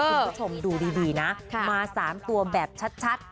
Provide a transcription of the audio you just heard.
คุณผู้ชมดูดีนะมา๓ตัวแบบชัด